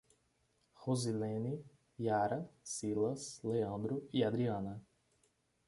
Rosilene, Yara, Silas, Leandro e Adriana